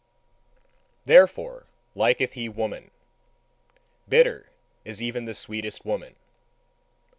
Therefore liketh he woman; bitter is even the sweetest woman.